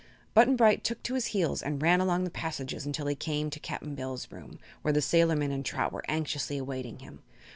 Button Bright took to his heels and ran along the passages until he came to Cap'n Bill's room, where the sailorman and Trot were anxiously awaiting him.